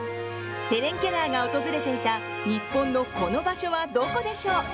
ヘレン・ケラーが訪れていた日本のこの場所はどこでしょう？